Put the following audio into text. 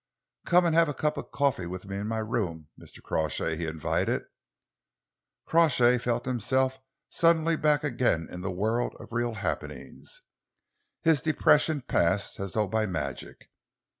"Come and have a cup of coffee with me in my room, Mr. Crawshay," he invited. Crawshay felt himself suddenly back again in the world of real happenings. His depression passed as though by magic.